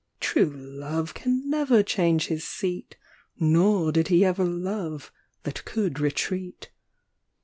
True love can never change his seat ; Nor did he ever love that can retreat.